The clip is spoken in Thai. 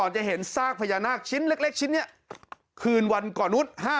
จะเห็นซากพญานาคชิ้นเล็กชิ้นนี้คืนวันก่อนนู้น